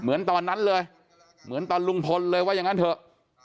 เหมือนตอนนั้นเลยเหมือนตอนลุงพลเลยว่าอย่างนั้นเถอะ